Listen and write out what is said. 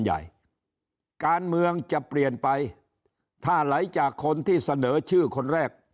การเมืองจะเปลี่ยนไปถ้าไหลจากคนที่เสนอชื่อคนแรก